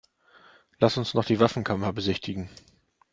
Lass uns noch die Waffenkammer besichtigen.